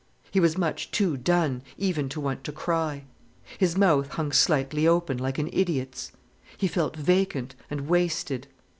He was much too done even to want to cry. His mouth hung slightly open, like an idiot's. He felt vacant, and wasted.